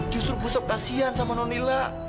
justru gue seseorang kasian sama nunila